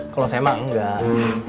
kalau saya mah enggak